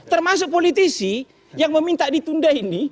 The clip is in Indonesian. termasuk politisi yang meminta ditunda ini